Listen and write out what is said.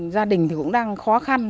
gia đình thì cũng đang khó khăn